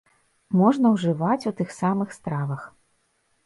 Можна ўжываць у тых самых стравах.